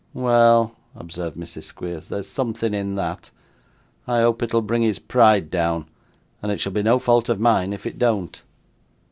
'Well,' observed Mrs. Squeers, 'there's something in that. I hope it'll bring his pride down, and it shall be no fault of mine if it don't.